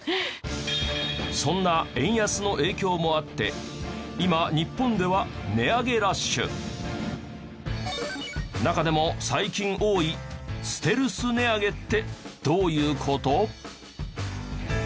そんな円安の影響もあって今日本では中でも最近多いステルス値上げってどういう事？